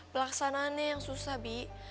pelaksanaannya yang susah bi